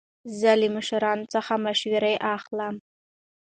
زه له مشرانو څخه مشوره اخلم.